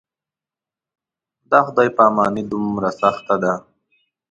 دا خدای پاماني دومره سخته ده.